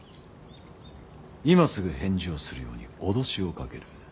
今すぐ返事をするように脅しをかける。